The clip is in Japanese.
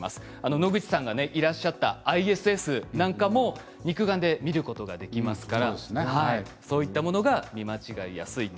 野口さんがいらっしゃったＩＳＳなんかも肉眼で見ることができますからそういったものが見間違いやすい。